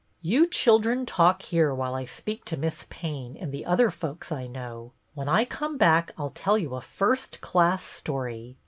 "You children talk here while I speak to Miss Payne and the other folks I know. When I come back I 'll tell you a first class story.